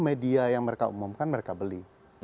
media yang mereka umumkan mereka beli